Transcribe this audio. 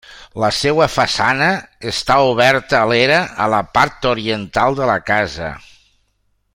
La seva façana està oberta a l'era a la part oriental de la casa.